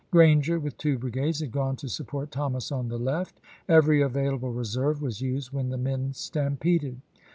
Granger, with two brigades, had gone to support Thomas on the left. Every available reserve was used when the men stampeded.